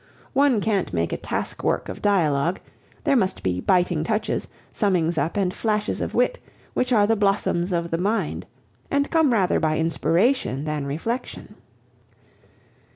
One can't make a task work of dialogue; there must be biting touches, summings up, and flashes of wit, which are the blossoms of the mind, and come rather by inspiration than reflection.